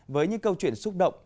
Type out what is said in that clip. với những câu chuyện xúc động